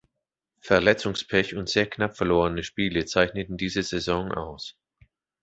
Verletzungspech und sehr knapp verlorene Spiele zeichneten diese Saison aus.